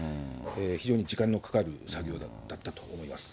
非常に時間のかかる作業だったと思います。